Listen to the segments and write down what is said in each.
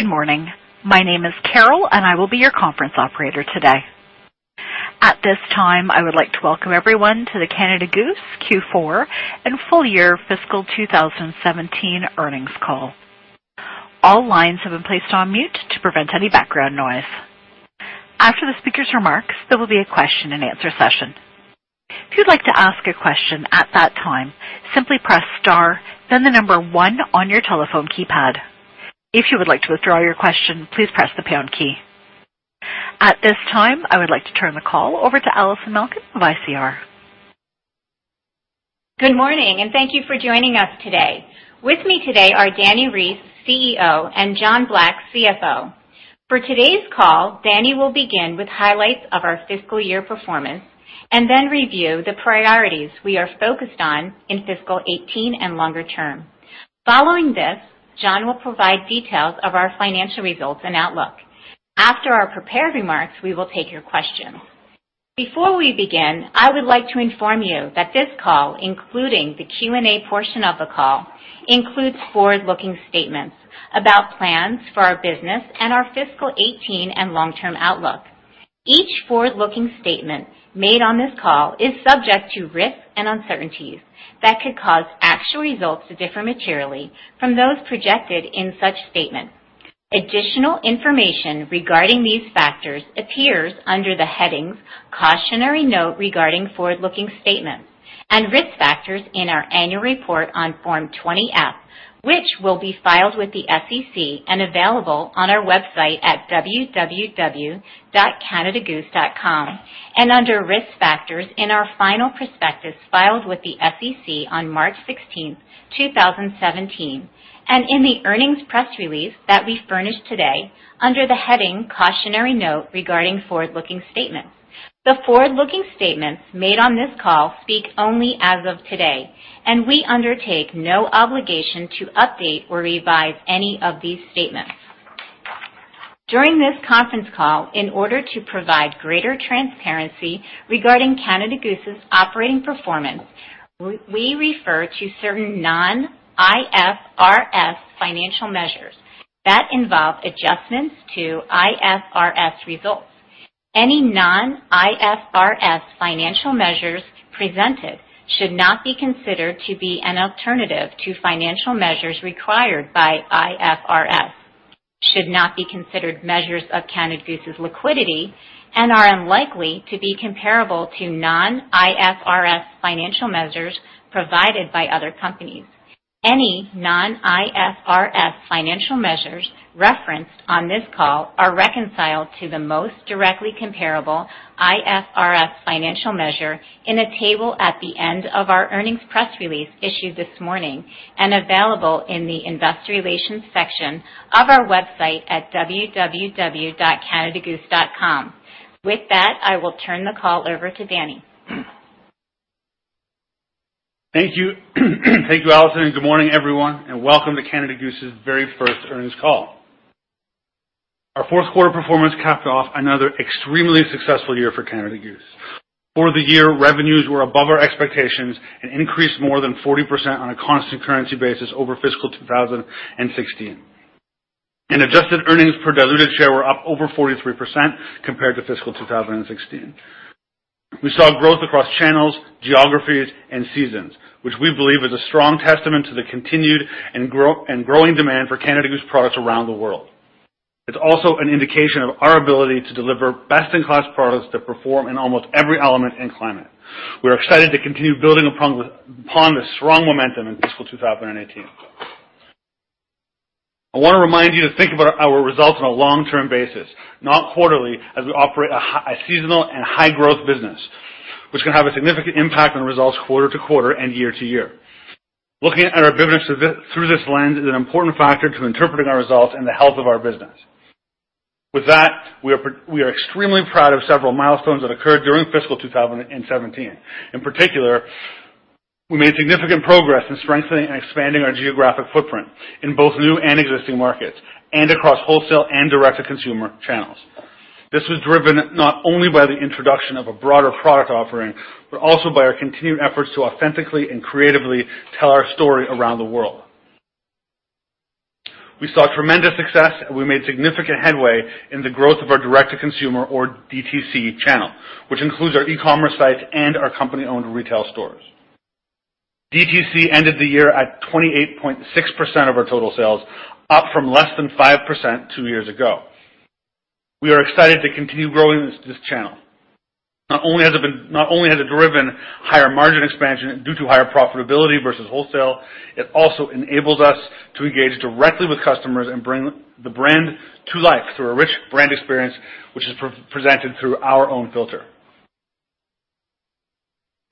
Good morning. My name is Carol, and I will be your conference operator today. At this time, I would like to welcome everyone to the Canada Goose Q4 and full year fiscal 2017 earnings call. All lines have been placed on mute to prevent any background noise. After the speaker's remarks, there will be a question and answer session. If you'd like to ask a question at that time, simply press star then the number one on your telephone keypad. If you would like to withdraw your question, please press the pound key. At this time, I would like to turn the call over to Allison Malkin of ICR. Good morning. Thank you for joining us today. With me today are Dani Reiss, CEO, and John Black, CFO. For today's call, Dani will begin with highlights of our fiscal year performance and then review the priorities we are focused on in fiscal 2018 and longer term. Following this, John will provide details of our financial results and outlook. After our prepared remarks, we will take your questions. Before we begin, I would like to inform you that this call, including the Q&A portion of the call, includes forward-looking statements about plans for our business and our fiscal 2018 and long-term outlook. Each forward-looking statement made on this call is subject to risks and uncertainties that could cause actual results to differ materially from those projected in such statements. Additional information regarding these factors appears under the headings "Cautionary Note Regarding Forward-Looking Statements" and risk factors in our annual report on Form 20-F, which will be filed with the SEC and available on our website at www.canadagoose.com, and under risk factors in our final prospectus filed with the SEC on March 16, 2017, and in the earnings press release that we furnished today under the heading "Cautionary Note Regarding Forward-Looking Statements." The forward-looking statements made on this call speak only as of today. We undertake no obligation to update or revise any of these statements. During this conference call, in order to provide greater transparency regarding Canada Goose's operating performance, we refer to certain non-IFRS financial measures that involve adjustments to IFRS results. Any non-IFRS financial measures presented should not be considered to be an alternative to financial measures required by IFRS, should not be considered measures of Canada Goose's liquidity. Are unlikely to be comparable to non-IFRS financial measures provided by other companies. Any non-IFRS financial measures referenced on this call are reconciled to the most directly comparable IFRS financial measure in a table at the end of our earnings press release issued this morning and available in the investor relations section of our website at www.canadagoose.com. With that, I will turn the call over to Dani. Thank you. Thank you, Allison, good morning, everyone, and welcome to Canada Goose's very first earnings call. Our fourth quarter performance capped off another extremely successful year for Canada Goose. For the year, revenues were above our expectations and increased more than 40% on a constant currency basis over fiscal 2016. Adjusted earnings per diluted share were up over 43% compared to fiscal 2016. We saw growth across channels, geographies, and seasons, which we believe is a strong testament to the continued and growing demand for Canada Goose products around the world. It's also an indication of our ability to deliver best-in-class products that perform in almost every element and climate. We are excited to continue building upon this strong momentum in fiscal 2018. I want to remind you to think about our results on a long-term basis, not quarterly, as we operate a seasonal and high growth business, which can have a significant impact on results quarter-to-quarter and year-to-year. Looking at our business through this lens is an important factor to interpreting our results and the health of our business. With that, we are extremely proud of several milestones that occurred during fiscal 2017. In particular, we made significant progress in strengthening and expanding our geographic footprint in both new and existing markets and across wholesale and direct-to-consumer channels. This was driven not only by the introduction of a broader product offering, but also by our continued efforts to authentically and creatively tell our story around the world. We saw tremendous success, we made significant headway in the growth of our direct-to-consumer or DTC channel, which includes our e-commerce sites and our company-owned retail stores. DTC ended the year at 28.6% of our total sales, up from less than 5% two years ago. We are excited to continue growing this channel. Not only has it driven higher margin expansion due to higher profitability versus wholesale, it also enables us to engage directly with customers and bring the brand to life through a rich brand experience, which is presented through our own filter.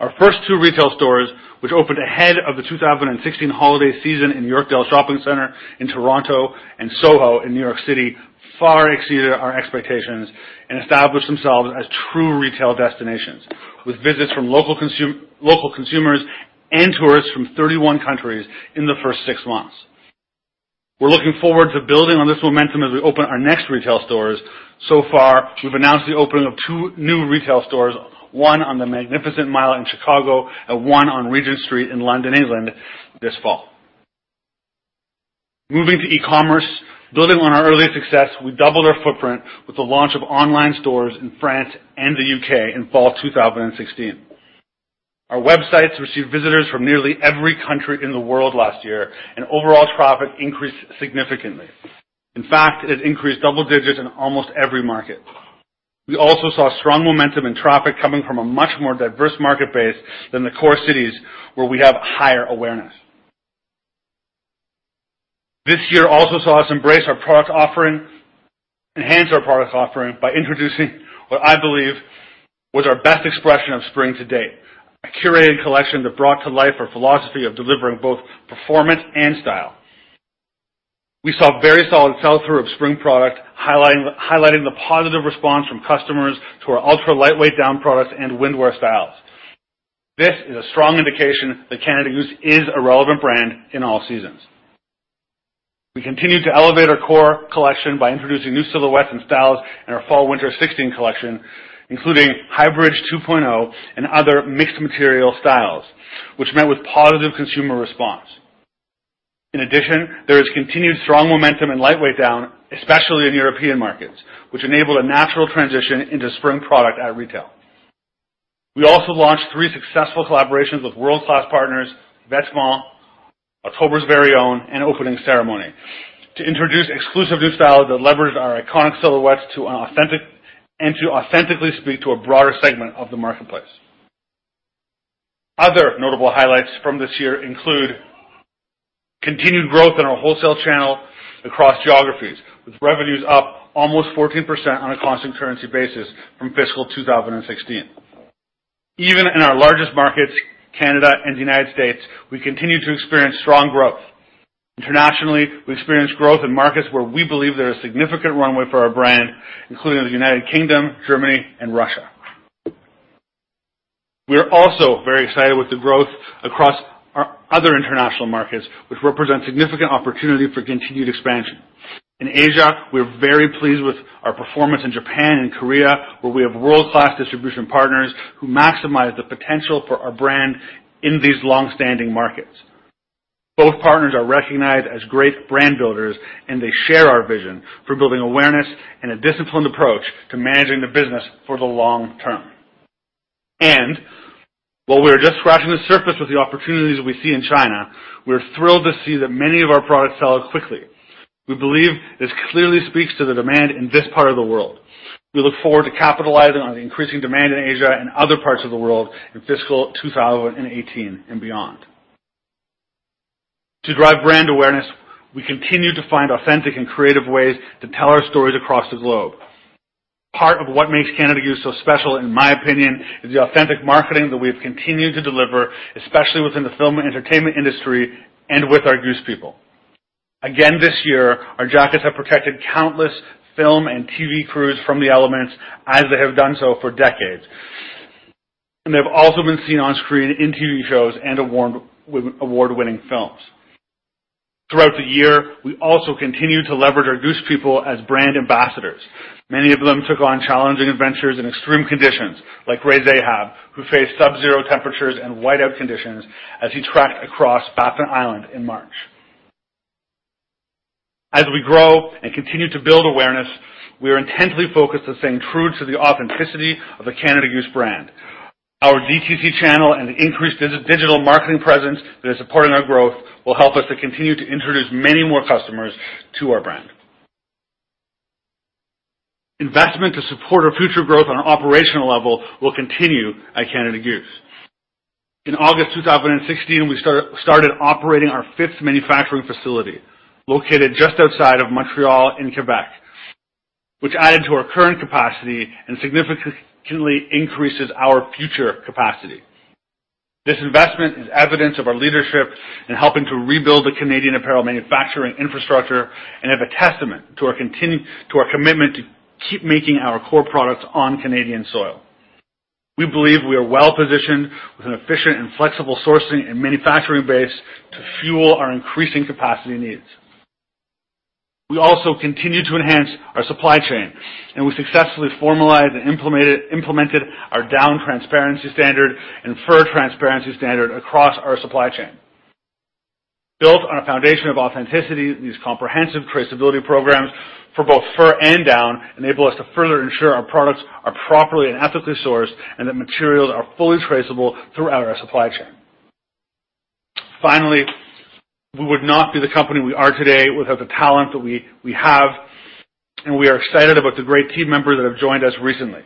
Our first 2 retail stores, which opened ahead of the 2016 holiday season in Yorkdale Shopping Centre in Toronto and Soho in New York City, far exceeded our expectations and established themselves as true retail destinations, with visits from local consumers and tourists from 31 countries in the first 6 months. We're looking forward to building on this momentum as we open our next retail stores. So far, we've announced the opening of 2 new retail stores, one on the Magnificent Mile in Chicago and one on Regent Street in London, England this fall. Moving to e-commerce. Building on our earlier success, we doubled our footprint with the launch of online stores in France and the U.K. in fall 2016. Our websites received visitors from nearly every country in the world last year, overall traffic increased significantly. In fact, it increased double digits in almost every market. We also saw strong momentum in traffic coming from a much more diverse market base than the core cities where we have higher awareness. This year also saw us enhance our product offering by introducing what I believe was our best expression of spring to date, a curated collection that brought to life our philosophy of delivering both performance and style. We saw very solid sell-through of spring product, highlighting the positive response from customers to our ultra-lightweight down products and Windwear styles. This is a strong indication that Canada Goose is a relevant brand in all seasons. We continued to elevate our core collection by introducing new silhouettes and styles in our fall/winter 2016 collection, including HyBridge 2.0 and other mixed material styles, which met with positive consumer response. In addition, there is continued strong momentum in lightweight down, especially in European markets, which enabled a natural transition into spring product at retail. We also launched three successful collaborations with world-class partners, Vetements, October's Very Own, and Opening Ceremony to introduce exclusive new styles that leverage our iconic silhouettes and to authentically speak to a broader segment of the marketplace. Other notable highlights from this year include continued growth in our wholesale channel across geographies, with revenues up almost 14% on a constant currency basis from fiscal 2016. Even in our largest markets, Canada and the U.S., we continue to experience strong growth. Internationally, we experienced growth in markets where we believe there is significant runway for our brand, including the U.K., Germany, and Russia. We are also very excited with the growth across our other international markets, which represent significant opportunity for continued expansion. In Asia, we're very pleased with our performance in Japan and Korea, where we have world-class distribution partners who maximize the potential for our brand in these long-standing markets. Both partners are recognized as great brand builders, and they share our vision for building awareness and a disciplined approach to managing the business for the long term. While we are just scratching the surface with the opportunities we see in China, we're thrilled to see that many of our products sell out quickly. We believe this clearly speaks to the demand in this part of the world. We look forward to capitalizing on the increasing demand in Asia and other parts of the world in fiscal 2018 and beyond. To drive brand awareness, we continue to find authentic and creative ways to tell our stories across the globe. Part of what makes Canada Goose so special, in my opinion, is the authentic marketing that we've continued to deliver, especially within the film and entertainment industry and with our Goose People. Again, this year, our jackets have protected countless film and TV crews from the elements as they have done so for decades, and they've also been seen on screen in TV shows and award-winning films. Throughout the year, we also continued to leverage our Goose People as brand ambassadors. Many of them took on challenging adventures in extreme conditions, like Ray Zahab, who faced subzero temperatures and whiteout conditions as he trekked across Baffin Island in March. As we grow and continue to build awareness, we are intently focused on staying true to the authenticity of the Canada Goose brand. Our DTC channel and the increased digital marketing presence that is supporting our growth will help us to continue to introduce many more customers to our brand. Investment to support our future growth on an operational level will continue at Canada Goose. In August 2016, we started operating our fifth manufacturing facility located just outside of Montreal in Quebec, which added to our current capacity and significantly increases our future capacity. This investment is evidence of our leadership in helping to rebuild the Canadian apparel manufacturing infrastructure and is a testament to our commitment to keep making our core products on Canadian soil. We believe we are well positioned with an efficient and flexible sourcing and manufacturing base to fuel our increasing capacity needs. We also continue to enhance our supply chain, and we successfully formalized and implemented our Down Transparency Standard and Fur Transparency Standard across our supply chain. We would not be the company we are today without the talent that we have, and we are excited about the great team members that have joined us recently.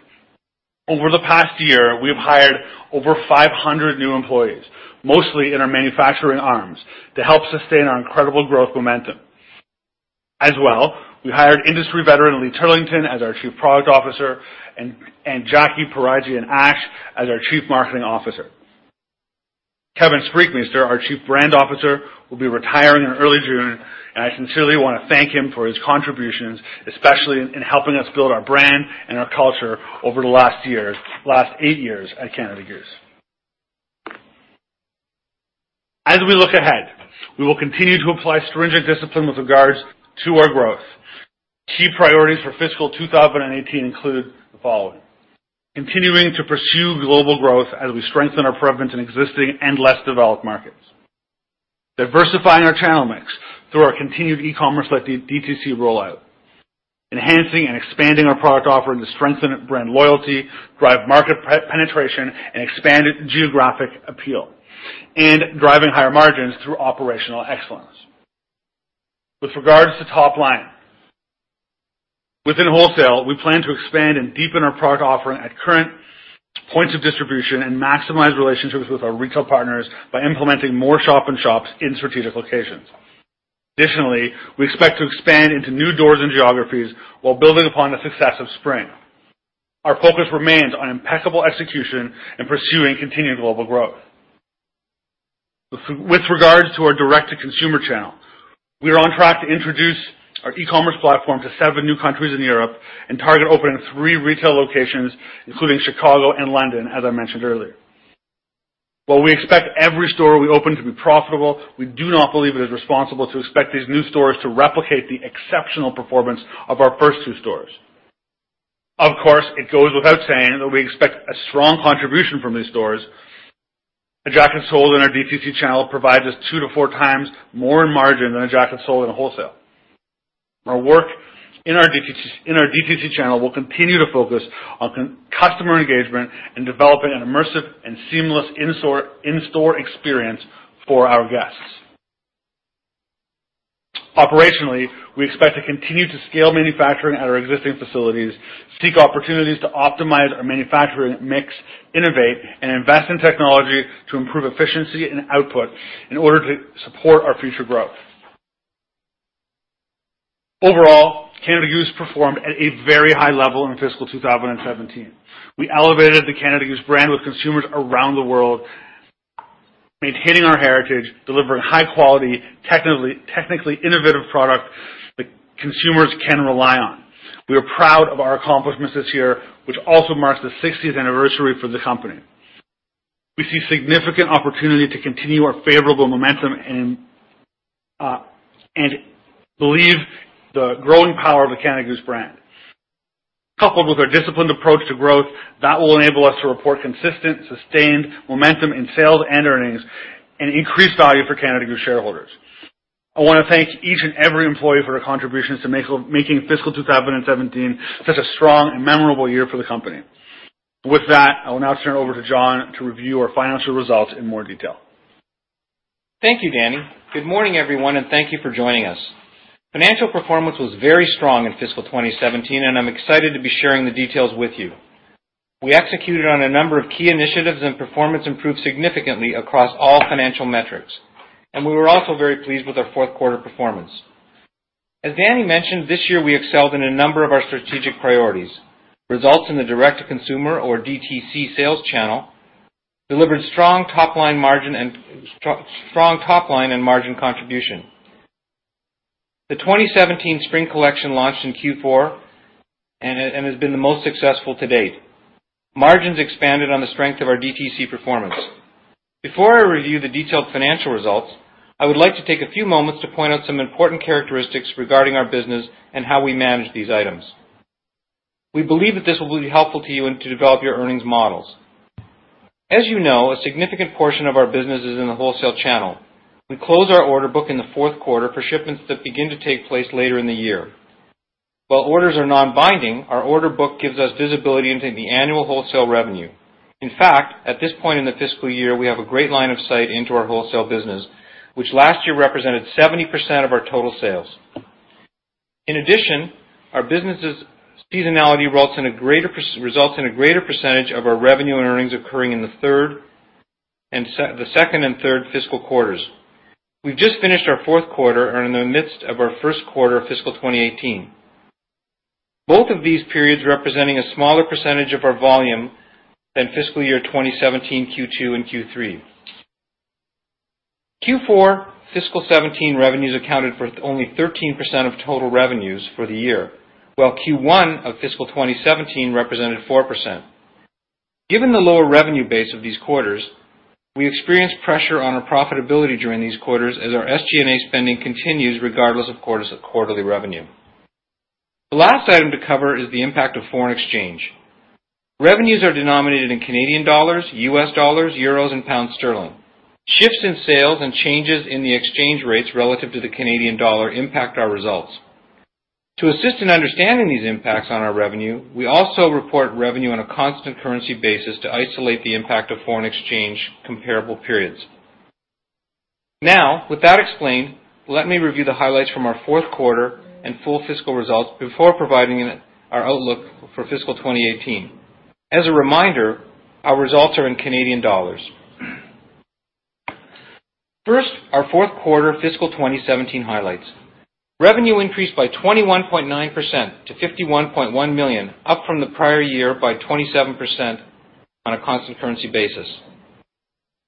Over the past year, we have hired over 500 new employees, mostly in our manufacturing arms, to help sustain our incredible growth momentum. We hired industry veteran Lee Turlington as our chief product officer and Jackie Poriadjian-Asch as our chief marketing officer. Kevin Spreekmeester, our chief brand officer, will be retiring in early June. I sincerely want to thank him for his contributions, especially in helping us build our brand and our culture over the last eight years at Canada Goose. As we look ahead, we will continue to apply stringent discipline with regards to our growth. Key priorities for fiscal 2018 include the following. Continuing to pursue global growth as we strengthen our presence in existing and less developed markets. Diversifying our channel mix through our continued e-commerce led DTC rollout. Enhancing and expanding our product offering to strengthen brand loyalty, drive market penetration, and expand geographic appeal. Driving higher margins through operational excellence. With regards to top line. Within wholesale, we plan to expand and deepen our product offering at current points of distribution and maximize relationships with our retail partners by implementing more shop-in-shops in strategic locations. We expect to expand into new doors and geographies while building upon the success of spring. Our focus remains on impeccable execution and pursuing continued global growth. With regards to our direct-to-consumer channel, we are on track to introduce our e-commerce platform to seven new countries in Europe and target opening three retail locations, including Chicago and London, as I mentioned earlier. While we expect every store we open to be profitable, we do not believe it is responsible to expect these new stores to replicate the exceptional performance of our first two stores. It goes without saying that we expect a strong contribution from these stores. A jacket sold in our DTC channel provides us two to four times more in margin than a jacket sold in wholesale. Our work in our DTC channel will continue to focus on customer engagement and developing an immersive and seamless in-store experience for our guests. Operationally, we expect to continue to scale manufacturing at our existing facilities, seek opportunities to optimize our manufacturing mix, innovate, and invest in technology to improve efficiency and output in order to support our future growth. Overall, Canada Goose performed at a very high level in fiscal 2017. We elevated the Canada Goose brand with consumers around the world, maintaining our heritage, delivering high quality, technically innovative product that consumers can rely on. We are proud of our accomplishments this year, which also marks the 60th anniversary for the company. We see significant opportunity to continue our favorable momentum and believe the growing power of the Canada Goose brand. Coupled with our disciplined approach to growth, that will enable us to report consistent, sustained momentum in sales and earnings and increased value for Canada Goose shareholders. I want to thank each and every employee for their contributions to making fiscal 2017 such a strong and memorable year for the company. With that, I will now turn it over to John to review our financial results in more detail. Thank you, Dani. Good morning, everyone, and thank you for joining us. Financial performance was very strong in fiscal 2017, and I'm excited to be sharing the details with you. We executed on a number of key initiatives, and performance improved significantly across all financial metrics. We were also very pleased with our fourth quarter performance. As Dani mentioned, this year we excelled in a number of our strategic priorities. Results in the direct-to-consumer or DTC sales channel delivered strong top line and margin contribution. The 2017 spring collection launched in Q4 and has been the most successful to date. Margins expanded on the strength of our DTC performance. Before I review the detailed financial results, I would like to take a few moments to point out some important characteristics regarding our business and how we manage these items. We believe that this will be helpful to you and to develop your earnings models. As you know, a significant portion of our business is in the wholesale channel. We close our order book in the fourth quarter for shipments that begin to take place later in the year. While orders are non-binding, our order book gives us visibility into the annual wholesale revenue. In fact, at this point in the fiscal year, we have a great line of sight into our wholesale business, which last year represented 70% of our total sales. In addition, our business's seasonality results in a greater percentage of our revenue and earnings occurring in the second and third fiscal quarters. We've just finished our fourth quarter and are in the midst of our first quarter of fiscal 2018. Both of these periods representing a smaller percentage of our volume than fiscal year 2017 Q2 and Q3. Q4 fiscal 2017 revenues accounted for only 13% of total revenues for the year, while Q1 of fiscal 2017 represented 4%. Given the lower revenue base of these quarters, we experienced pressure on our profitability during these quarters as our SG&A spending continues regardless of quarterly revenue. The last item to cover is the impact of foreign exchange. Revenues are denominated in Canadian dollars, US dollars, euros, and pound sterling. Shifts in sales and changes in the exchange rates relative to the Canadian dollar impact our results. To assist in understanding these impacts on our revenue, we also report revenue on a constant currency basis to isolate the impact of foreign exchange comparable periods. With that explained, let me review the highlights from our fourth quarter and full fiscal results before providing our outlook for fiscal 2018. As a reminder, our results are in Canadian dollars. First, our fourth quarter fiscal 2017 highlights. Revenue increased by 21.9% to 51.1 million, up from the prior year by 27% on a constant currency basis.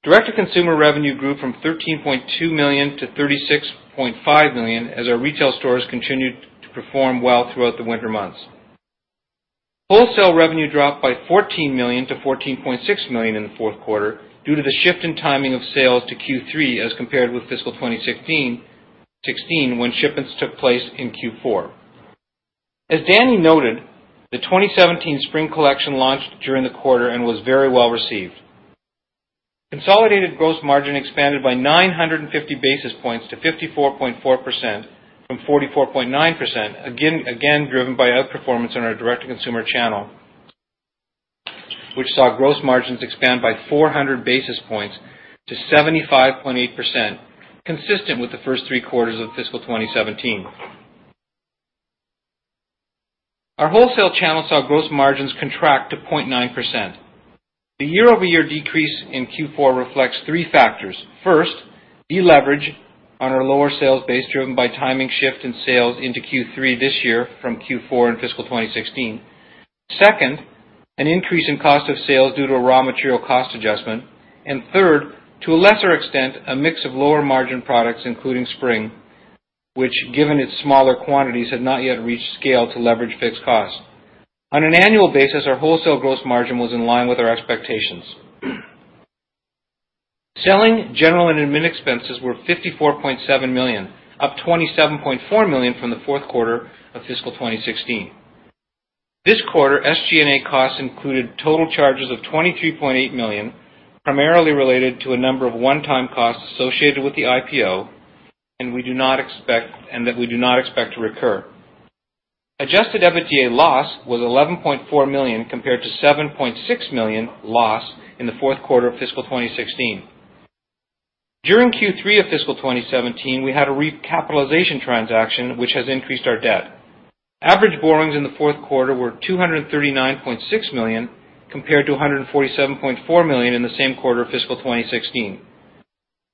Direct-to-consumer revenue grew from 13.2 million to 36.5 million as our retail stores continued to perform well throughout the winter months. Wholesale revenue dropped by 14 million to 14.6 million in the fourth quarter due to the shift in timing of sales to Q3 as compared with fiscal 2016, when shipments took place in Q4. As Dani noted, the 2017 spring collection launched during the quarter and was very well received. Consolidated gross margin expanded by 950 basis points to 54.4% from 44.9%, again driven by outperformance in our direct-to-consumer channel, which saw gross margins expand by 400 basis points to 75.8%, consistent with the first three quarters of fiscal 2017. Our wholesale channel saw gross margins contract to 0.9%. The year-over-year decrease in Q4 reflects three factors. First, deleverage on our lower sales base driven by timing shift in sales into Q3 this year from Q4 in fiscal 2016. Second, an increase in cost of sales due to a raw material cost adjustment. Third, to a lesser extent, a mix of lower margin products, including spring, which given its smaller quantities, had not yet reached scale to leverage fixed cost. On an annual basis, our wholesale gross margin was in line with our expectations. Selling, general, and admin expenses were 54.7 million, up 27.4 million from the fourth quarter of fiscal 2016. This quarter, SG&A costs included total charges of 23.8 million, primarily related to a number of one-time costs associated with the IPO, and that we do not expect to recur. Adjusted EBITDA loss was 11.4 million compared to 7.6 million loss in the fourth quarter of fiscal 2016. During Q3 of fiscal 2017, we had a recapitalization transaction, which has increased our debt. Average borrowings in the fourth quarter were 239.6 million, compared to 147.4 million in the same quarter of fiscal 2016.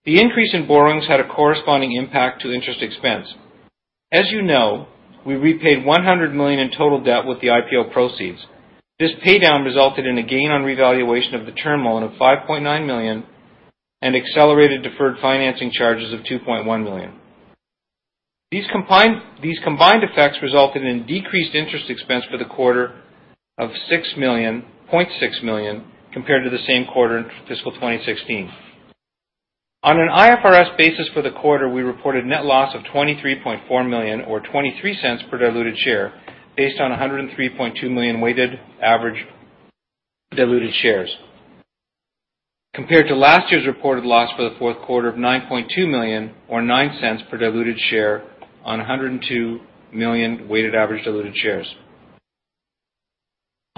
The increase in borrowings had a corresponding impact to interest expense. As you know, we repaid 100 million in total debt with the IPO proceeds. This paydown resulted in a gain on revaluation of the term loan of 5.9 million and accelerated deferred financing charges of 2.1 million. These combined effects resulted in decreased interest expense for the quarter of 0.6 million compared to the same quarter in fiscal 2016. On an IFRS basis for the quarter, we reported net loss of 23.4 million or 0.23 per diluted share based on 103.2 million weighted average diluted shares. Compared to last year's reported loss for the fourth quarter of 9.2 million or 0.09 per diluted share on 102 million weighted average diluted shares.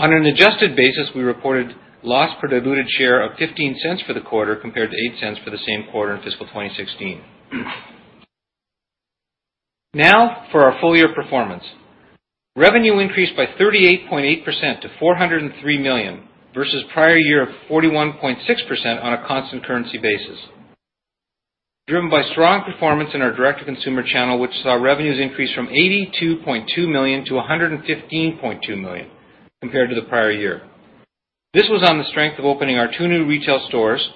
On an adjusted basis, we reported loss per diluted share of 0.15 for the quarter, compared to 0.08 for the same quarter in fiscal 2016. For our full-year performance. Revenue increased by 38.8% to 403 million versus prior year of 41.6% on a constant currency basis. Driven by strong performance in our direct-to-consumer channel, which saw revenues increase from 82.2 million to 115.2 million compared to the prior year. This was on the strength of opening our two new retail stores,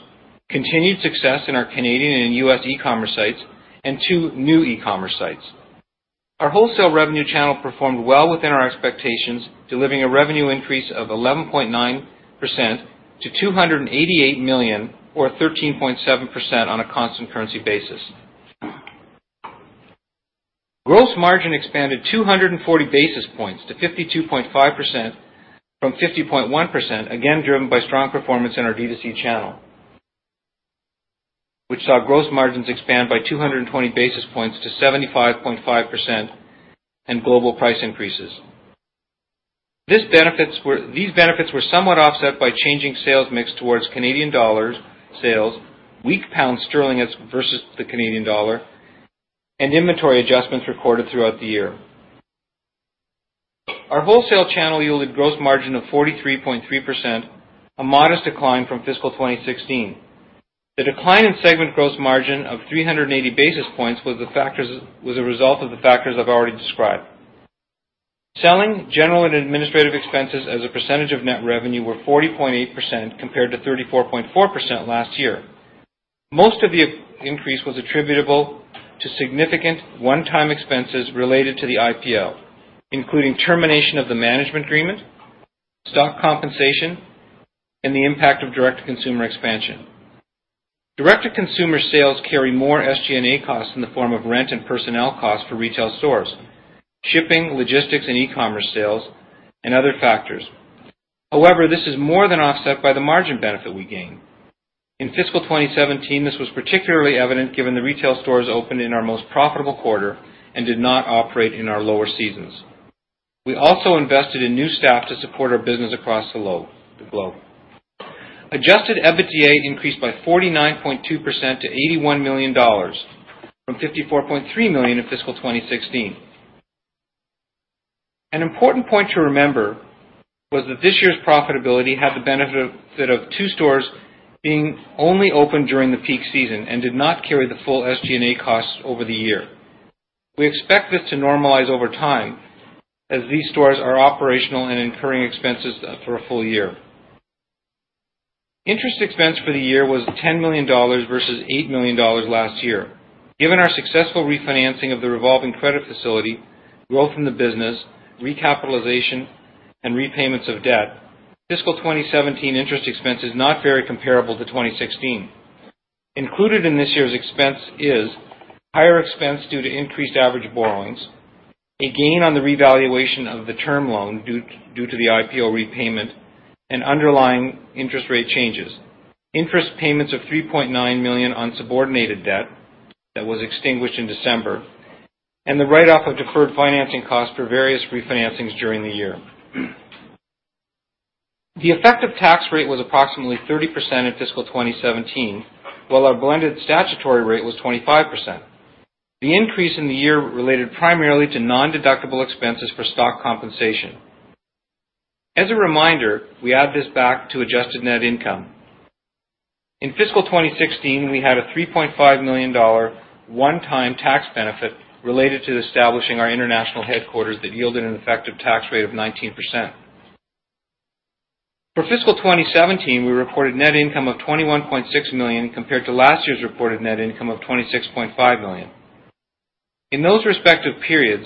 continued success in our Canadian and U.S. e-commerce sites, and two new e-commerce sites. Our wholesale revenue channel performed well within our expectations, delivering a revenue increase of 11.9% to 288 million or 13.7% on a constant currency basis. Gross margin expanded 240 basis points to 52.5% from 50.1%, again driven by strong performance in our D2C channel, which saw gross margins expand by 220 basis points to 75.5% and global price increases. These benefits were somewhat offset by changing sales mix towards Canadian dollar sales, weak pound sterling versus the Canadian dollar, and inventory adjustments recorded throughout the year. Our wholesale channel yielded gross margin of 43.3%, a modest decline from fiscal 2016. The decline in segment gross margin of 380 basis points was a result of the factors I've already described. Selling, general and administrative expenses as a percentage of net revenue were 40.8% compared to 34.4% last year. Most of the increase was attributable to significant one-time expenses related to the IPO, including termination of the management agreement, stock compensation, and the impact of direct-to-consumer expansion. Direct-to-consumer sales carry more SG&A costs in the form of rent and personnel costs for retail stores, shipping, logistics, and e-commerce sales, and other factors. However, this is more than offset by the margin benefit we gain. In fiscal 2017, this was particularly evident given the retail stores opened in our most profitable quarter and did not operate in our lower seasons. We also invested in new staff to support our business across the globe. Adjusted EBITDA increased by 49.2% to 81 million dollars, from 54.3 million in fiscal 2016. An important point to remember was that this year's profitability had the benefit of two stores being only open during the peak season and did not carry the full SG&A costs over the year. We expect this to normalize over time as these stores are operational and incurring expenses for a full year. Interest expense for the year was 10 million dollars versus 8 million dollars last year. Given our successful refinancing of the revolving credit facility, growth in the business, recapitalization, and repayments of debt, fiscal 2017 interest expense is not very comparable to 2016. Included in this year's expense is higher expense due to increased average borrowings, a gain on the revaluation of the term loan due to the IPO repayment, and underlying interest rate changes, interest payments of 3.9 million on subordinated debt that was extinguished in December, and the write-off of deferred financing costs for various refinancings during the year. The effective tax rate was approximately 30% in fiscal 2017, while our blended statutory rate was 25%. The increase in the year related primarily to nondeductible expenses for stock compensation. As a reminder, we add this back to adjusted net income. In fiscal 2016, we had a 3.5 million dollar one-time tax benefit related to establishing our international headquarters that yielded an effective tax rate of 19%. For fiscal 2017, we reported net income of 21.6 million compared to last year's reported net income of 26.5 million. In those respective periods,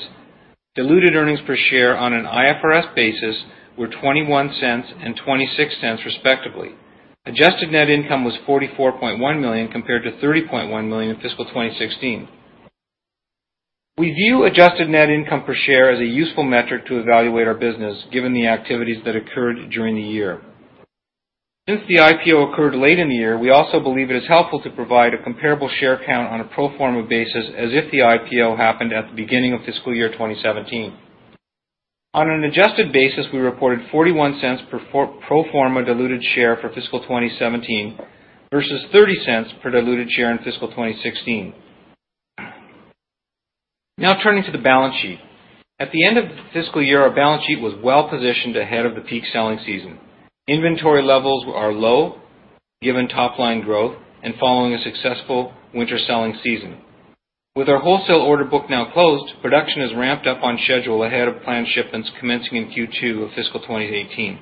diluted earnings per share on an IFRS basis were 0.21 and 0.26, respectively. Adjusted net income was 44.1 million compared to 30.1 million in fiscal 2016. We view adjusted net income per share as a useful metric to evaluate our business, given the activities that occurred during the year. Since the IPO occurred late in the year, we also believe it is helpful to provide a comparable share count on a pro forma basis as if the IPO happened at the beginning of fiscal year 2017. On an adjusted basis, we reported 0.41 per pro forma diluted share for fiscal 2017 versus 0.30 per diluted share in fiscal 2016. Now turning to the balance sheet. At the end of the fiscal year, our balance sheet was well-positioned ahead of the peak selling season. Inventory levels are low given top-line growth and following a successful winter selling season. With our wholesale order book now closed, production is ramped up on schedule ahead of planned shipments commencing in Q2 of fiscal 2018.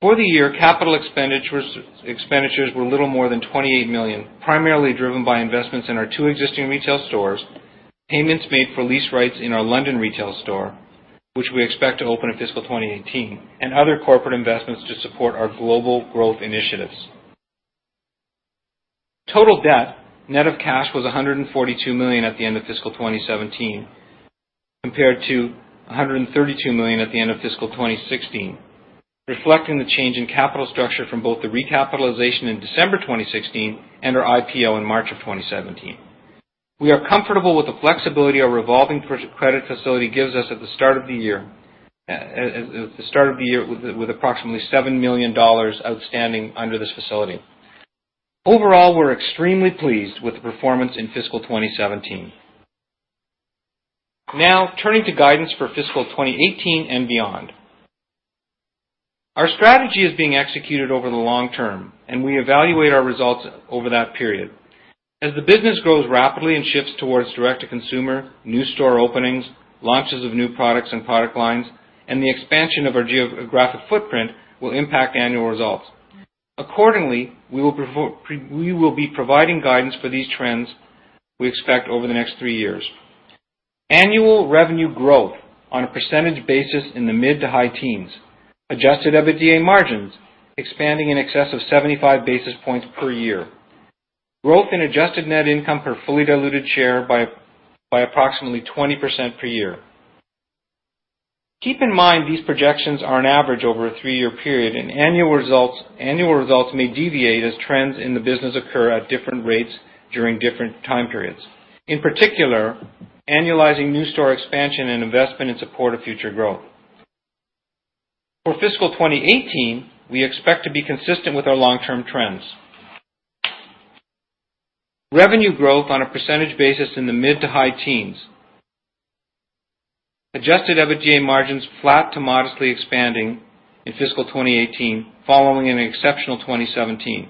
For the year, capital expenditures were a little more than 28 million, primarily driven by investments in our two existing retail stores, payments made for lease rights in our London retail store, which we expect to open in fiscal 2018, and other corporate investments to support our global growth initiatives. Total debt net of cash was 142 million at the end of fiscal 2017, compared to 132 million at the end of fiscal 2016, reflecting the change in capital structure from both the recapitalization in December 2016 and our IPO in March of 2017. We are comfortable with the flexibility our revolving credit facility gives us at the start of the year with approximately 7 million dollars outstanding under this facility. Overall, we're extremely pleased with the performance in fiscal 2017. Now turning to guidance for fiscal 2018 and beyond. Our strategy is being executed over the long term, and we evaluate our results over that period. As the business grows rapidly and shifts towards direct-to-consumer, new store openings, launches of new products and product lines, and the expansion of our geographic footprint will impact annual results. Accordingly, we will be providing guidance for these trends we expect over the next three years. Annual revenue growth on a percentage basis in the mid to high teens. Adjusted EBITDA margins expanding in excess of 75 basis points per year. Growth in adjusted net income per fully diluted share by approximately 20% per year. Keep in mind, these projections are an average over a three-year period, and annual results may deviate as trends in the business occur at different rates during different time periods. In particular, annualizing new store expansion and investment in support of future growth. For fiscal 2018, we expect to be consistent with our long-term trends. Revenue growth on a percentage basis in the mid-to-high teens. Adjusted EBITDA margins flat to modestly expanding in fiscal 2018, following an exceptional 2017.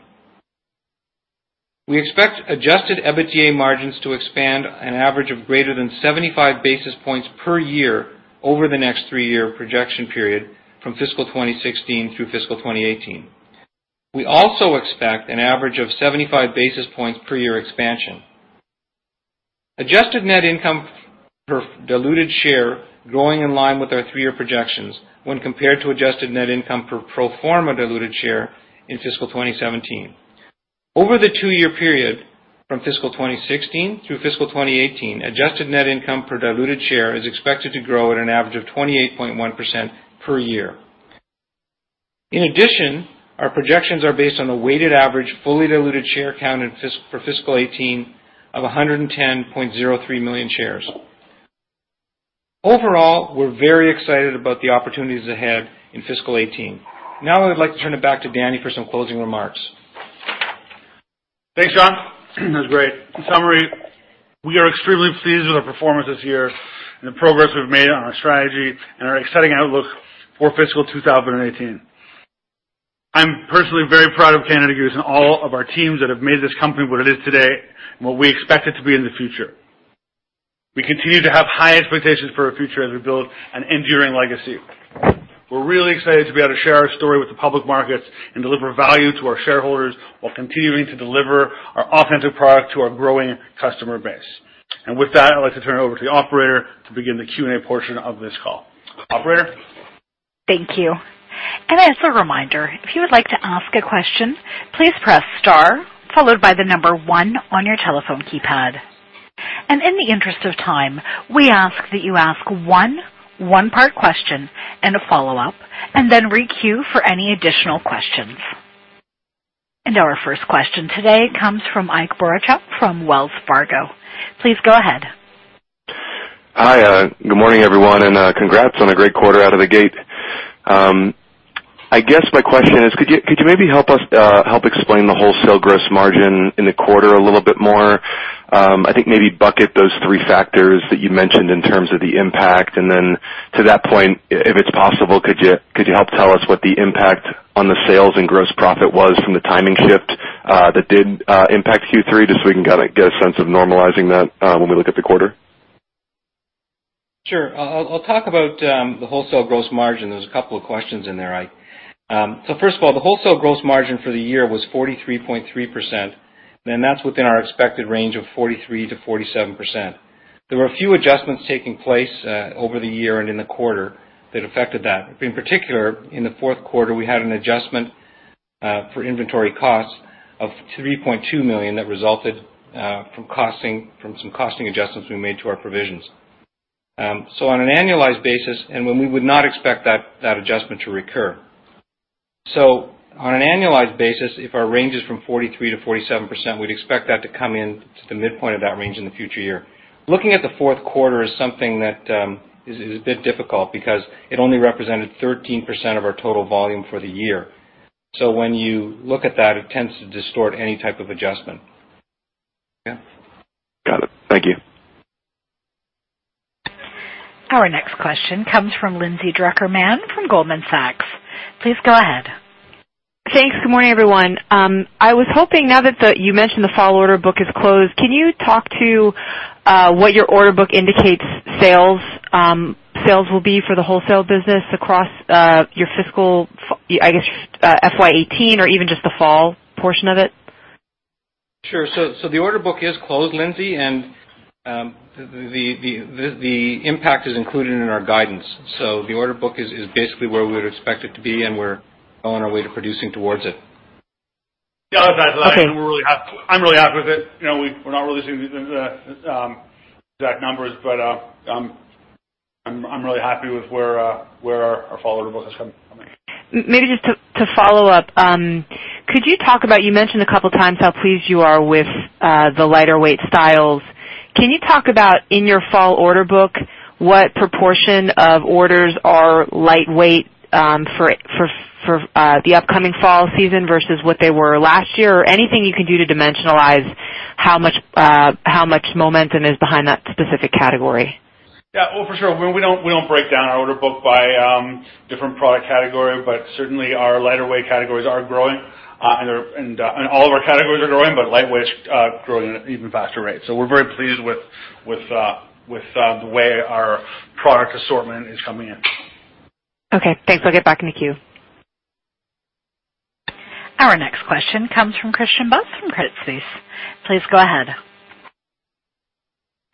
We expect adjusted EBITDA margins to expand an average of greater than 75 basis points per year over the next three-year projection period from fiscal 2016 through fiscal 2018. We also expect an average of 75 basis points per year expansion. Adjusted net income per diluted share growing in line with our three-year projections when compared to adjusted net income per pro forma diluted share in fiscal 2017. Over the two-year period from fiscal 2016 through fiscal 2018, adjusted net income per diluted share is expected to grow at an average of 28.1% per year. In addition, our projections are based on a weighted average fully diluted share count for fiscal 2018 of 110.03 million shares. Overall, we're very excited about the opportunities ahead in fiscal 2018. I'd like to turn it back to Dani for some closing remarks. Thanks, John. That was great. In summary, we are extremely pleased with our performance this year and the progress we've made on our strategy and our exciting outlook for fiscal 2018. I'm personally very proud of Canada Goose and all of our teams that have made this company what it is today and what we expect it to be in the future. We continue to have high expectations for our future as we build an enduring legacy. We're really excited to be able to share our story with the public markets and deliver value to our shareholders, while continuing to deliver our authentic product to our growing customer base. With that, I'd like to turn it over to the operator to begin the Q&A portion of this call. Operator? Thank you. As a reminder, if you would like to ask a question, please press star followed by the number 1 on your telephone keypad. In the interest of time, we ask that you ask one-part question and a follow-up, then re-queue for any additional questions. Our first question today comes from Ike Boruchow from Wells Fargo. Please go ahead. Hi. Good morning, everyone. Congrats on a great quarter out of the gate. I guess my question is, could you maybe help explain the wholesale gross margin in the quarter a little bit more? I think maybe bucket those three factors that you mentioned in terms of the impact. Then to that point, if it's possible, could you help tell us what the impact on the sales and gross profit was from the timing shift that did impact Q3, just so we can get a sense of normalizing that when we look at the quarter? Sure. I'll talk about the wholesale gross margin. There's a couple of questions in there. First of all, the wholesale gross margin for the year was 43.3%, and that's within our expected range of 43%-47%. There were a few adjustments taking place over the year and in the quarter that affected that. In particular, in the fourth quarter, we had an adjustment for inventory costs of 3.2 million that resulted from some costing adjustments we made to our provisions. On an annualized basis, and when we would not expect that adjustment to recur. On an annualized basis, if our range is from 43%-47%, we'd expect that to come in to the midpoint of that range in the future year. Looking at the fourth quarter is something that is a bit difficult because it only represented 13% of our total volume for the year. When you look at that, it tends to distort any type of adjustment. Yeah. Got it. Thank you. Our next question comes from Lindsay Drucker Mann from Goldman Sachs. Please go ahead. Thanks. Good morning, everyone. I was hoping now that you mentioned the fall order book is closed, can you talk to what your order book indicates sales will be for the wholesale business across your fiscal, I guess, FY 2018 or even just the fall portion of it? Sure. The order book is closed, Lindsay, and the impact is included in our guidance. The order book is basically where we would expect it to be, and we're on our way to producing towards it. Yeah, that's right. Okay. I'm really happy with it. We're not really seeing the exact numbers, but I'm really happy with where our fall order book is coming. Maybe just to follow up. You mentioned a couple of times how pleased you are with the lighter weight styles. Can you talk about in your fall order book, what proportion of orders are lightweight for the upcoming fall season versus what they were last year? Or anything you can do to dimensionalize how much momentum is behind that specific category? Yeah. Well, for sure. We don't break down our order book by different product category, but certainly our lighter weight categories are growing. All of our categories are growing, but lightweight is growing at an even faster rate. We're very pleased with the way our product assortment is coming in. Okay, thanks. I'll get back in the queue. Our next question comes from Christian Buss from Credit Suisse. Please go ahead.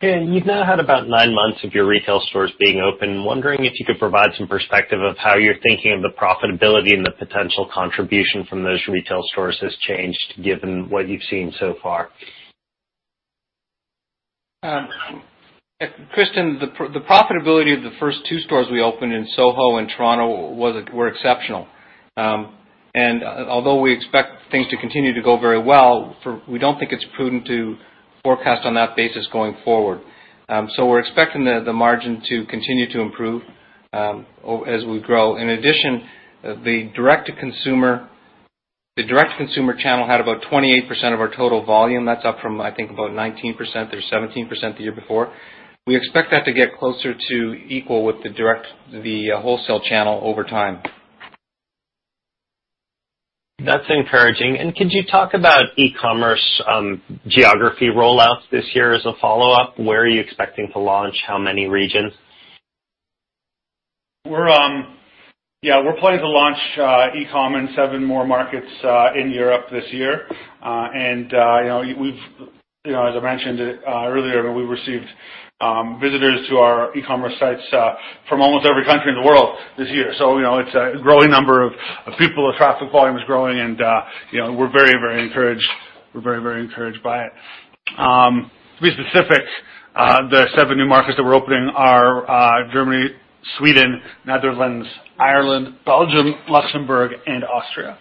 Yeah. You've now had about nine months of your retail stores being open. Wondering if you could provide some perspective of how you're thinking of the profitability and the potential contribution from those retail stores has changed given what you've seen so far. Christian, the profitability of the first two stores we opened in Soho and Toronto were exceptional. Although we expect things to continue to go very well, we don't think it's prudent to forecast on that basis going forward. We're expecting the margin to continue to improve as we grow. In addition, the direct-to-consumer channel had about 28% of our total volume. That's up from, I think, about 19% or 17% the year before. We expect that to get closer to equal with the wholesale channel over time. That's encouraging. Could you talk about e-commerce geography rollouts this year as a follow-up? Where are you expecting to launch? How many regions? Yeah. We're planning to launch e-com in seven more markets in Europe this year. As I mentioned earlier, we received visitors to our e-commerce sites from almost every country in the world this year. It's a growing number of people. The traffic volume is growing, and we're very encouraged by it. To be specific, the seven new markets that we're opening are Germany, Sweden, Netherlands, Ireland, Belgium, Luxembourg, and Austria.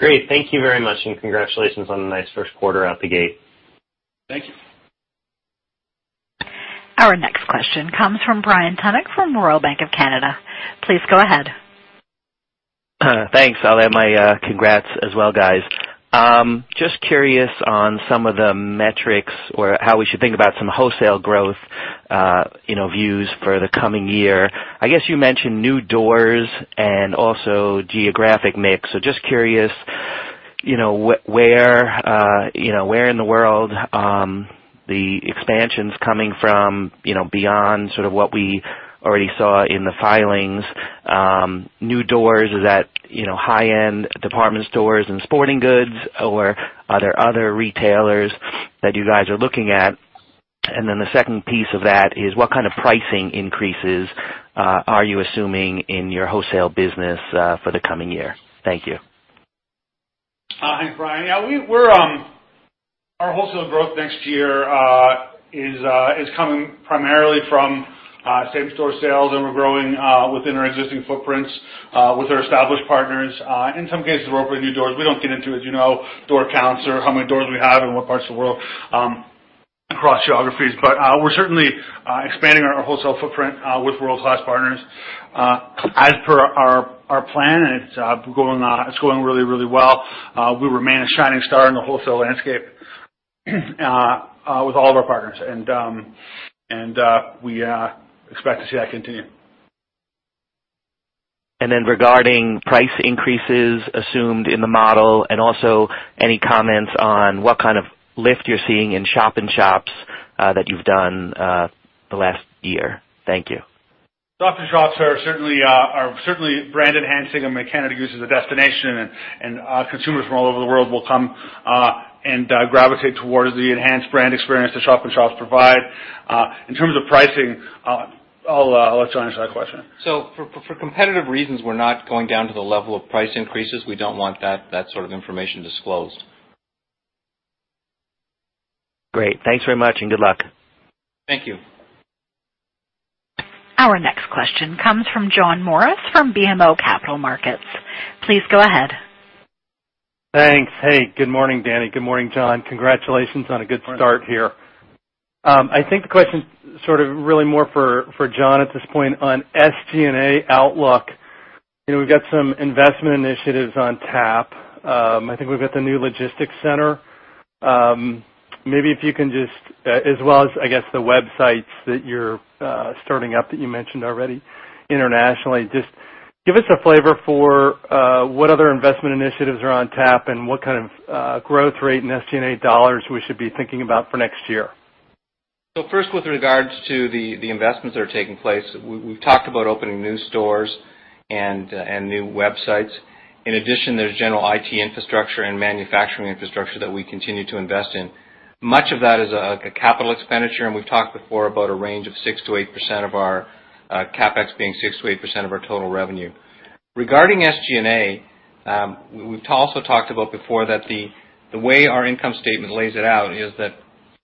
Great. Thank you very much, and congratulations on a nice first quarter out the gate. Thank you. Our next question comes from Brian Tunick from Royal Bank of Canada. Please go ahead. Thanks. I'll add my congrats as well, guys. Just curious on some of the metrics or how we should think about some wholesale growth views for the coming year. I guess you mentioned new doors and also geographic mix. Just curious, where in the world the expansion's coming from, beyond what we already saw in the filings. New doors, is that high-end department stores and sporting goods, or are there other retailers that you guys are looking at? The second piece of that is, what kind of pricing increases are you assuming in your wholesale business for the coming year? Thank you. Hi, Brian. Our wholesale growth next year is coming primarily from same-store sales, we're growing within our existing footprints with our established partners. In some cases, we're opening new doors. We don't get into it, door counts or how many doors we have and what parts of the world, across geographies. We're certainly expanding our wholesale footprint with world-class partners. As per our plan, it's going really well. We remain a shining star in the wholesale landscape with all of our partners, we expect to see that continue. Regarding price increases assumed in the model, and also any comments on what kind of lift you're seeing in shop-in-shops that you've done the last year. Thank you. Shop-in-shops are certainly brand enhancing and make Canada Goose as a destination, consumers from all over the world will come and gravitate towards the enhanced brand experience that shop-in-shops provide. In terms of pricing, I'll let John answer that question. For competitive reasons, we're not going down to the level of price increases. We don't want that sort of information disclosed. Great. Thanks very much, good luck. Thank you. Our next question comes from John Morris from BMO Capital Markets. Please go ahead. Thanks. Hey, good morning, Dani. Good morning, John. Congratulations on a good start here. I think the question's sort of really more for John at this point on SG&A outlook. We've got some investment initiatives on tap. I think we've got the new logistics center. Maybe if you can just, as well as, I guess, the websites that you're starting up that you mentioned already internationally, just give us a flavor for what other investment initiatives are on tap and what kind of growth rate in SG&A CAD we should be thinking about for next year. First, with regards to the investments that are taking place, we've talked about opening new stores and new websites. In addition, there's general IT infrastructure and manufacturing infrastructure that we continue to invest in. Much of that is a capital expenditure, and we've talked before about a range of 6%-8% of our CapEx being 6%-8% of our total revenue. Regarding SG&A, we've also talked about before that the way our income statement lays it out is that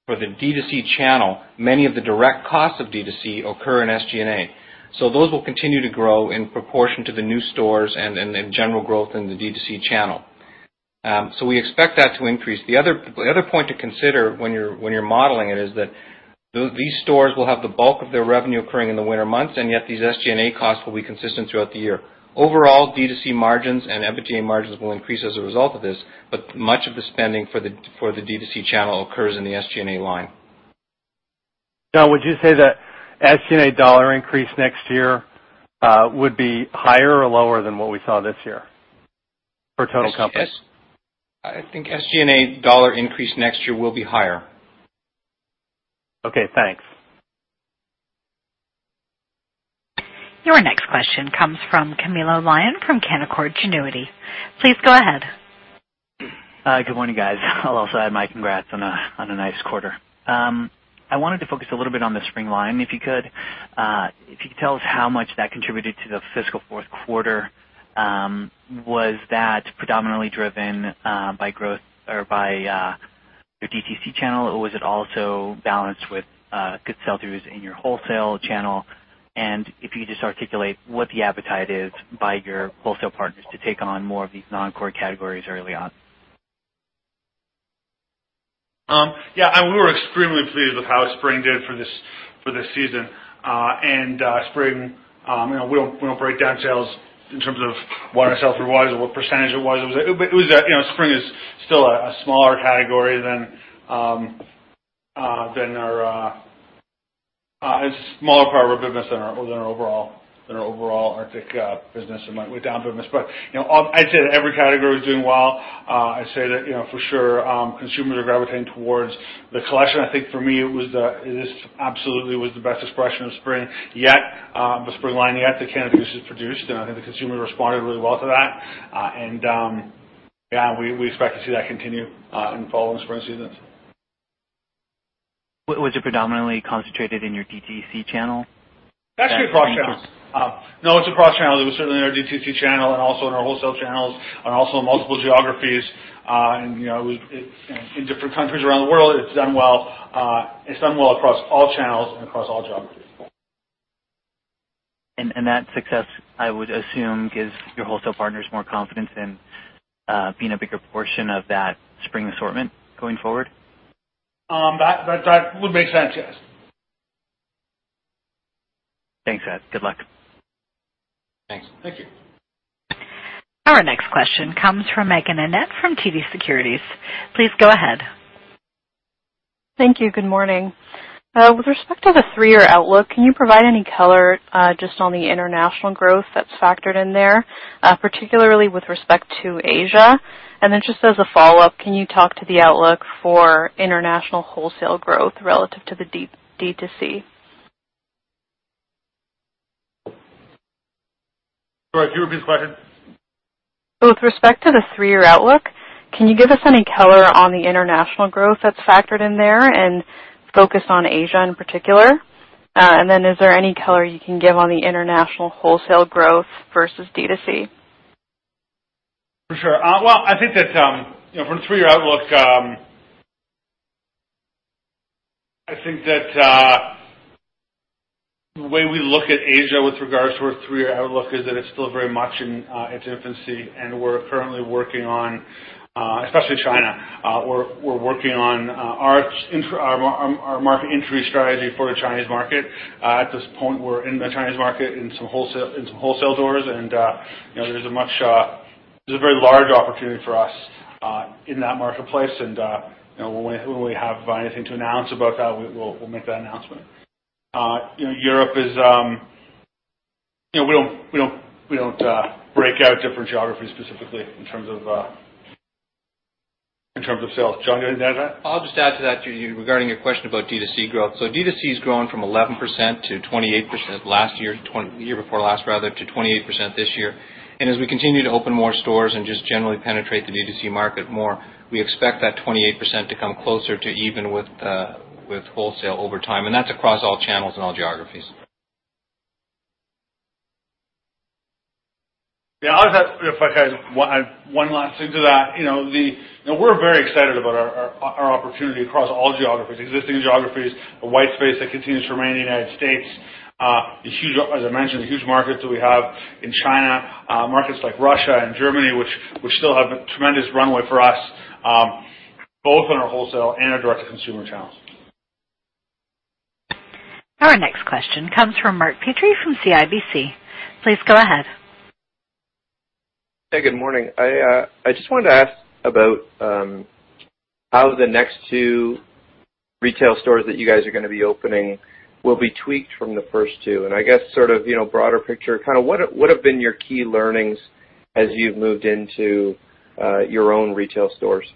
for the D2C channel, many of the direct costs of D2C occur in SG&A. Those will continue to grow in proportion to the new stores and in general growth in the D2C channel. We expect that to increase. The other point to consider when you're modeling it is that these stores will have the bulk of their revenue occurring in the winter months, yet these SG&A costs will be consistent throughout the year. Overall, D2C margins and EBITDA margins will increase as a result of this, much of the spending for the D2C channel occurs in the SG&A line. John, would you say that SG&A dollar increase next year would be higher or lower than what we saw this year for total company? I think SG&A dollar increase next year will be higher. Okay, thanks. Your next question comes from Camilo Lyon from Canaccord Genuity. Please go ahead. Good morning, guys. I'll also add my congrats on a nice quarter. I wanted to focus a little bit on the spring line, if you could. If you could tell us how much that contributed to the fiscal fourth quarter. Was that predominantly driven by growth or by your D2C channel, or was it also balanced with good sell-throughs in your wholesale channel? If you could just articulate what the appetite is by your wholesale partners to take on more of these non-core categories early on. Yeah. We were extremely pleased with how spring did for this season. Spring, we don't break down sales in terms of what our sell-through was or what percentage it was. Spring is still a smaller category than a smaller part of our business than our overall Arctic business and down business. I'd say that every category was doing well. I say that for sure consumers are gravitating towards the collection. I think for me, it absolutely was the best expression of spring line yet that Canada Goose has produced, and I think the consumer responded really well to that. Yeah, we expect to see that continue in fall and spring seasons. Was it predominantly concentrated in your D2C channel? Actually, across channels. No, it's across channels. It was certainly in our D2C channel and also in our wholesale channels and also in multiple geographies. In different countries around the world, it's done well. It's done well across all channels and across all geographies. That success, I would assume, gives your wholesale partners more confidence in being a bigger portion of that spring assortment going forward? That would make sense, yes. Thanks, Ed. Good luck. Thanks. Thank you. Our next question comes from Meaghen Annett from TD Securities. Please go ahead. Thank you. Good morning. With respect to the three-year outlook, can you provide any color just on the international growth that's factored in there, particularly with respect to Asia? Then just as a follow-up, can you talk to the outlook for international wholesale growth relative to the D2C? Sorry, can you repeat the question? With respect to the three-year outlook, can you give us any color on the international growth that's factored in there and focus on Asia in particular? Is there any color you can give on the international wholesale growth versus D2C? For sure. Well, I think that from a three-year outlook, I think that the way we look at Asia with regards to our three-year outlook is that it's still very much in its infancy, and we're currently working on, especially China, we're working on our market entry strategy for the Chinese market. At this point, we're in the Chinese market in some wholesale stores, and there's a very large opportunity for us in that marketplace, and when we have anything to announce about that, we'll make that announcement. We don't break out different geographies specifically in terms of sales. John, you want to add to that? I'll just add to that, regarding your question about D2C growth. D2C has grown from 11% to 28% last year, the year before last rather, to 28% this year. As we continue to open more stores and just generally penetrate the D2C market more, we expect that 28% to come closer to even with wholesale over time, and that's across all channels and all geographies. Yeah. If I could add one last thing to that. We're very excited about our opportunity across all geographies, existing geographies, the white space that continues to remain in the United States. As I mentioned, the huge markets that we have in China, markets like Russia and Germany, which still have a tremendous runway for us, both in our wholesale and our direct-to-consumer channels. Our next question comes from Mark Petrie from CIBC. Please go ahead. Hey, good morning. I just wanted to ask about how the next two retail stores that you guys are going to be opening will be tweaked from the first two, and I guess sort of broader picture, what have been your key learnings as you've moved into your own retail stores?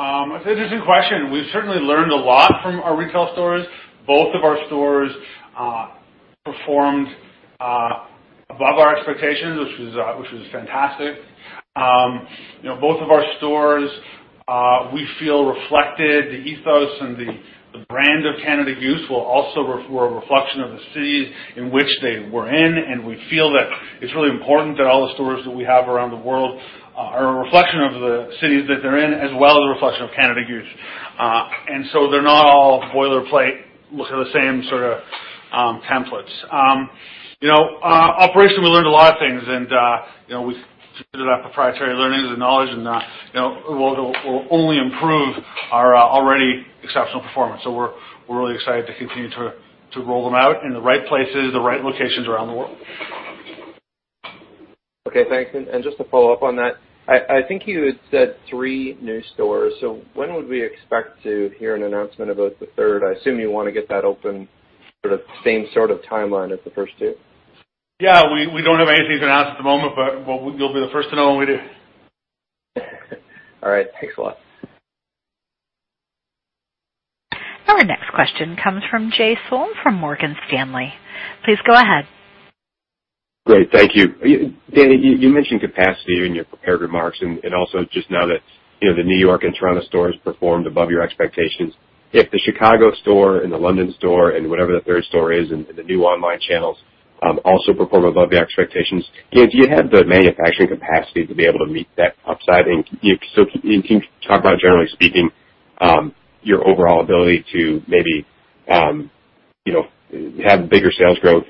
It's an interesting question. We've certainly learned a lot from our retail stores. Both of our stores performed above our expectations, which was fantastic. Both of our stores, we feel, reflected the ethos and the brand of Canada Goose. Were also a reflection of the cities in which they were in, and we feel that it's really important that all the stores that we have around the world are a reflection of the cities that they're in, as well as a reflection of Canada Goose. They're not all boilerplate, look at the same sort of templates. Operation, we learned a lot of things, and we've considered our proprietary learnings and knowledge, and will only improve our already exceptional performance. We're really excited to continue to roll them out in the right places, the right locations around the world. Okay, thanks. Just to follow up on that, I think you had said three new stores. When would we expect to hear an announcement about the third? I assume you want to get that open sort of same sort of timeline as the first two. Yeah. We don't have anything to announce at the moment, but you'll be the first to know when we do. All right. Thanks a lot. Our next question comes from Jay Sole from Morgan Stanley. Please go ahead. Great. Thank you. Dani, you mentioned capacity in your prepared remarks and also just now that the New York and Toronto stores performed above your expectations. If the Chicago store and the London store and whatever the third store is and the new online channels also perform above the expectations, do you have the manufacturing capacity to be able to meet that upside? Can you talk about, generally speaking, your overall ability to maybe have bigger sales growth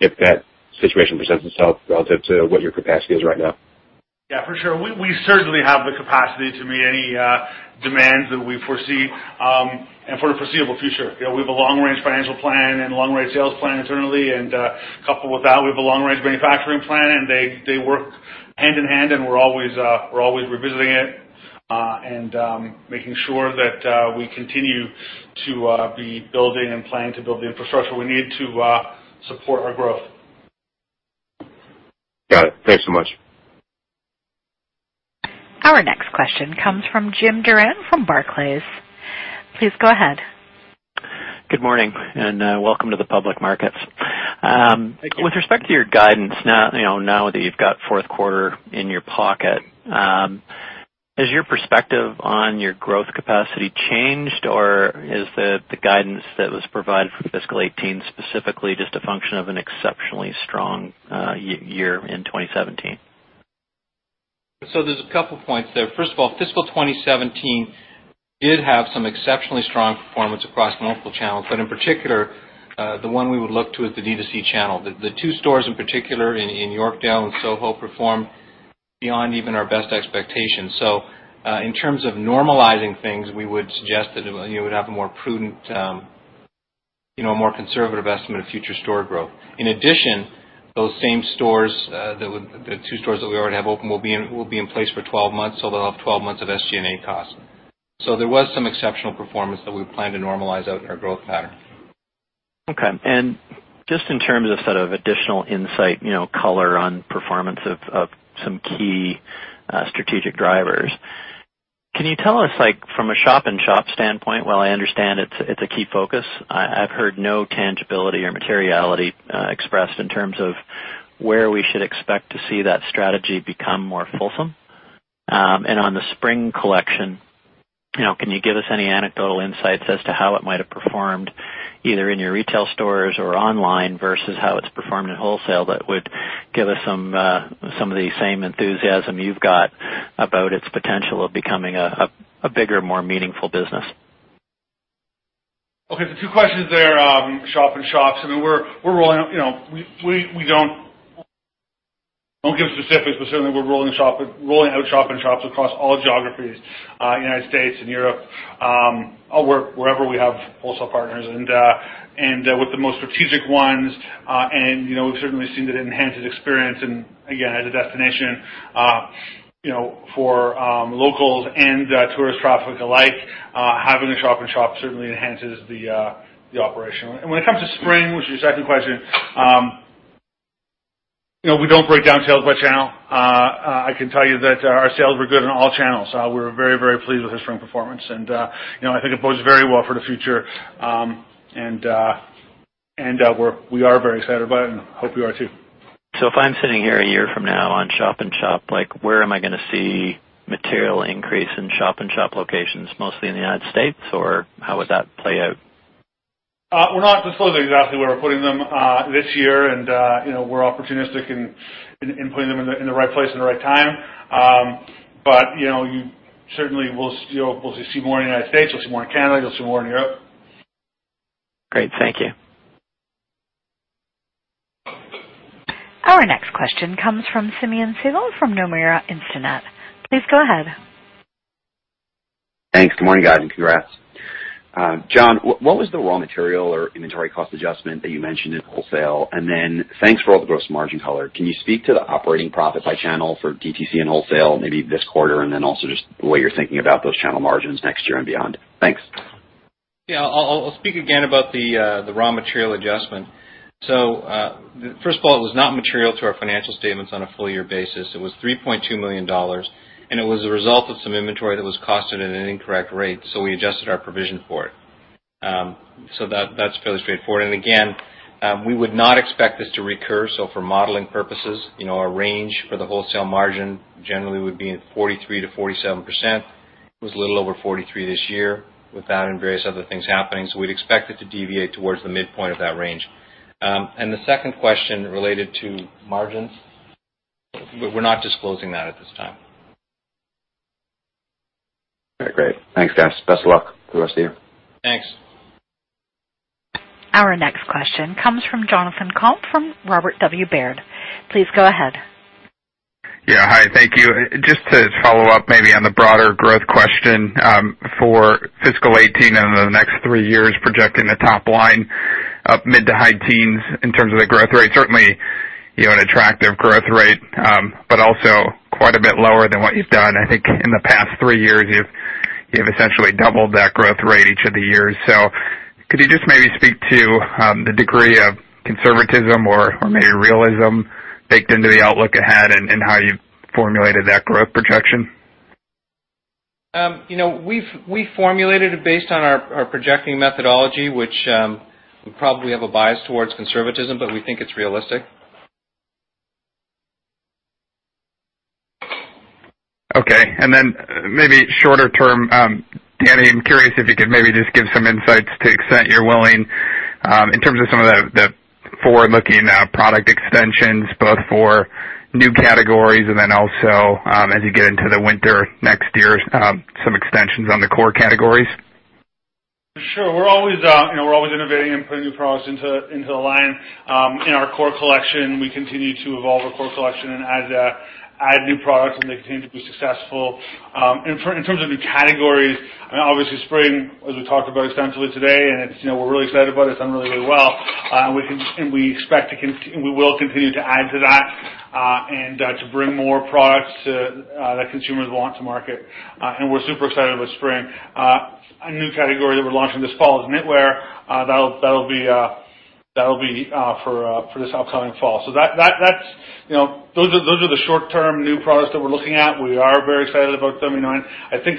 if that situation presents itself relative to what your capacity is right now? Yeah, for sure. We certainly have the capacity to meet any demands that we foresee, and for the foreseeable future. We have a long-range financial plan and long-range sales plan internally. Coupled with that, we have a long-range manufacturing plan, and they work hand in hand and we're always revisiting it, and making sure that we continue to be building and planning to build the infrastructure we need to support our growth. Got it. Thanks so much. Our next question comes from Jim Duffy from Barclays. Please go ahead. Good morning, and welcome to the public markets. Thank you. With respect to your guidance, now that you've got fourth quarter in your pocket, has your perspective on your growth capacity changed, or is the guidance that was provided for fiscal 2018 specifically just a function of an exceptionally strong year in 2017? There's a couple points there. First of all, fiscal 2017 did have some exceptionally strong performance across multiple channels, but in particular, the one we would look to is the D2C channel. The two stores in particular in Yorkdale and Soho performed Beyond even our best expectations. In terms of normalizing things, we would suggest that you would have a more prudent, more conservative estimate of future store growth. In addition, those same stores, the two stores that we already have open, will be in place for 12 months, so they'll have 12 months of SGA costs. There was some exceptional performance that we plan to normalize out in our growth pattern. Okay. Just in terms of additional insight, color on performance of some key strategic drivers, can you tell us from a shop-in-shop standpoint, while I understand it's a key focus, I've heard no tangibility or materiality expressed in terms of where we should expect to see that strategy become more fulsome. On the spring collection, can you give us any anecdotal insights as to how it might have performed, either in your retail stores or online, versus how it's performed in wholesale that would give us some of the same enthusiasm you've got about its potential of becoming a bigger, more meaningful business? Okay, two questions there. shop-in-shops, we won't give specifics, but certainly we're rolling out shop-in-shops across all geographies, U.S. and Europe, wherever we have wholesale partners. With the most strategic ones, we've certainly seen that enhanced experience, and again, as a destination for locals and tourist traffic alike, having a shop-in-shop certainly enhances the operation. When it comes to spring, which is your second question, we don't break down sales by channel. I can tell you that our sales were good on all channels. We were very pleased with the spring performance, and I think it bodes very well for the future. We are very excited about it and hope you are too. If I'm sitting here a year from now on shop-in-shop, where am I going to see material increase in shop-in-shop locations? Mostly in the U.S., or how would that play out? We're not disclosing exactly where we're putting them this year, and we're opportunistic in putting them in the right place at the right time. You certainly will see more in the U.S., you'll see more in Canada, you'll see more in Europe. Great. Thank you. Our next question comes from Simeon from Nomura Instinet. Please go ahead. Thanks. Good morning, guys, and congrats. John, what was the raw material or inventory cost adjustment that you mentioned in wholesale? Thanks for all the gross margin color. Can you speak to the operating profit by channel for DTC and wholesale, maybe this quarter, then also just the way you're thinking about those channel margins next year and beyond? Thanks. Yeah. I'll speak again about the raw material adjustment. First of all, it was not material to our financial statements on a full year basis. It was 3.2 million dollars, it was a result of some inventory that was costed at an incorrect rate, we adjusted our provision for it. That's fairly straightforward. Again, we would not expect this to recur. For modeling purposes, our range for the wholesale margin generally would be at 43%-47%. It was a little over 43% this year with that and various other things happening. We'd expect it to deviate towards the midpoint of that range. The second question related to margins. We're not disclosing that at this time. All right. Great. Thanks, guys. Best of luck for the rest of you. Thanks. Our next question comes from Jonathan Komp from Robert W. Baird. Please go ahead. Yeah. Hi, thank you. Just to follow up maybe on the broader growth question, for fiscal 2018 and then the next three years, projecting the top line up mid to high teens in terms of the growth rate. Certainly, an attractive growth rate, but also quite a bit lower than what you've done. I think in the past three years, you've essentially doubled that growth rate each of the years. Could you just maybe speak to the degree of conservatism or maybe realism baked into the outlook ahead and how you formulated that growth projection? We formulated it based on our projecting methodology, which we probably have a bias towards conservatism, but we think it's realistic. Okay. Then maybe shorter term, Dani, I'm curious if you could maybe just give some insights, to the extent you're willing, in terms of some of the forward-looking product extensions, both for new categories and then also as you get into the winter next year, some extensions on the core categories. Sure. We're always innovating and putting new products into the line. In our core collection, we continue to evolve our core collection and add new products when they continue to be successful. In terms of new categories, obviously spring, as we talked about extensively today, and we're really excited about it's done really well, and we will continue to add to that and to bring more products that consumers want to market. We're super excited about spring. A new category that we're launching this fall is Knitwear. That'll be for this upcoming fall. Those are the short-term new products that we're looking at. We are very excited about them. It's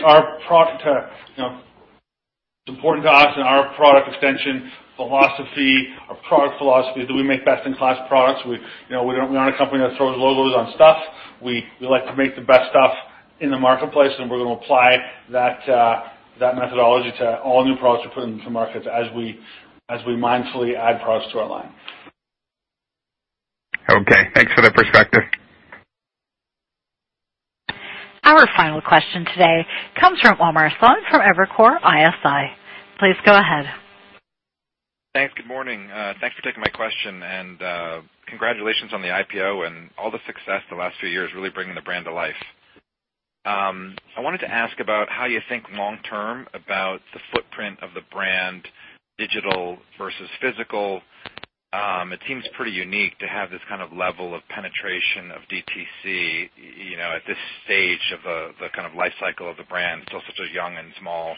important to us and our product extension philosophy. Our product philosophy is that we make best-in-class products. We're not a company that throws logos on stuff. We like to make the best stuff in the marketplace, we're going to apply that methodology to all new products we put into markets as we mindfully add products to our line. Okay. Thanks for the perspective. Our final question today comes from Omar Saad from Evercore ISI. Please go ahead. Thanks. Good morning. Thanks for taking my question. Congratulations on the IPO and all the success the last few years, really bringing the brand to life. I wanted to ask about how you think long term about the footprint of the brand, digital versus physical. It seems pretty unique to have this kind of level of penetration of DTC at this stage of the kind of life cycle of the brand. Still such a young and small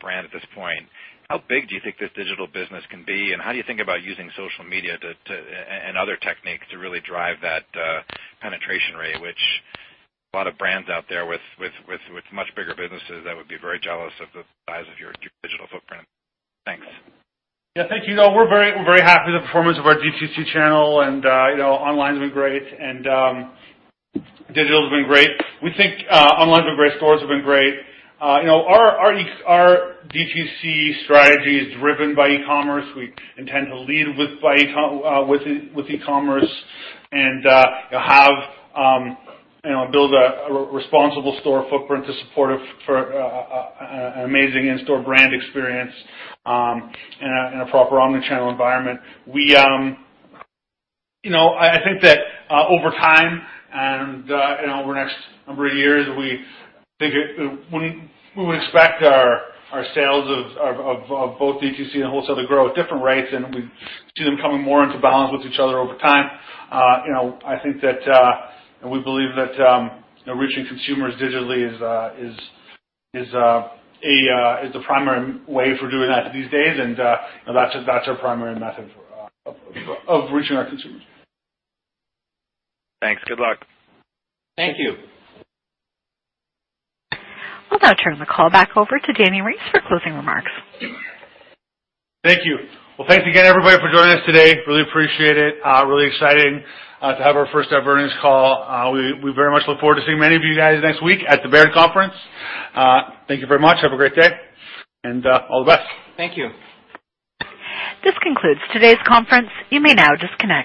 brand at this point. How big do you think this digital business can be, and how do you think about using social media and other techniques to really drive that penetration rate, which a lot of brands out there with much bigger businesses that would be very jealous of the size of your digital footprint. Thanks. Thank you. We're very happy with the performance of our DTC channel, and online's been great and digital's been great. We think online stores have been great. Our DTC strategy is driven by e-commerce. We intend to lead with e-commerce and build a responsible store footprint to support an amazing in-store brand experience in a proper omni-channel environment. I think that over time and over the next number of years, we would expect our sales of both DTC and wholesale to grow at different rates, and we see them coming more into balance with each other over time. I think that we believe that reaching consumers digitally is the primary way for doing that these days. That's our primary method of reaching our consumers. Thanks. Good luck. Thank you. We'll now turn the call back over to Dani Reiss for closing remarks. Thank you. Well, thanks again, everybody, for joining us today. Really appreciate it. Really exciting to have our first ever earnings call. We very much look forward to seeing many of you guys next week at the Baird Conference. Thank you very much. Have a great day, and all the best. Thank you. This concludes today's conference. You may now disconnect.